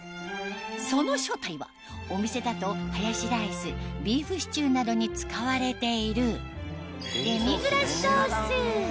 その正体はお店だとハヤシライスビーフシチューなどに使われているデミグラスソース